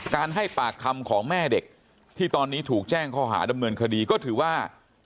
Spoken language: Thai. ให้ปากคำของแม่เด็กที่ตอนนี้ถูกแจ้งข้อหาดำเนินคดีก็ถือว่า